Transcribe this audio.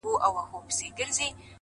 ستر بدلونونه له کوچنیو تصمیمونو زېږي.!